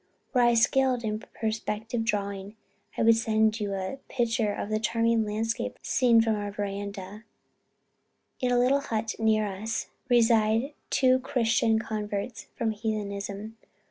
Were I skilled in perspective drawing, I would send you a picture of the charming landscape seen from our verandah. In a little hut near us reside two Christian converts from heathenism.